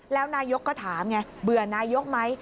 แล้วนายกก็ถามไงเบื่อนายกไหม